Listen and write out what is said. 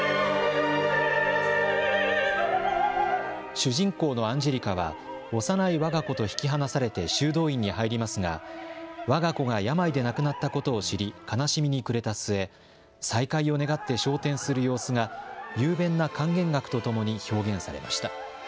主人公のアンジェリカは幼いわが子と引き離されて修道院に入りますがわが子が病で亡くなったことを知り悲しみに暮れた末再会を願って昇天する様子が雄弁な管弦楽と共に表現されました。